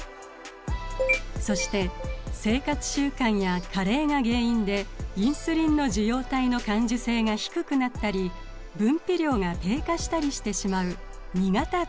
そして生活習慣や加齢が原因でインスリンの受容体の感受性が低くなったり分泌量が低下したりしてしまう２型糖尿病。